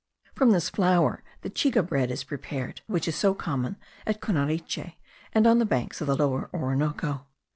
From this flour the chiga bread is prepared, which is so common at Cunariche, and on the banks of the Lower Orinoco.